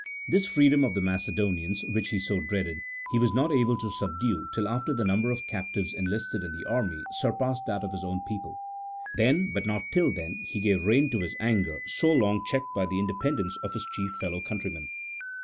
This freedom of the Macedonians, which he so dreaded, he was not able to subdue till after the number of captives enlisted in the army surpassed that of his own people : then, but not till then, he gave rein to his anger so long checked by the independence of his chief fellow countrymen.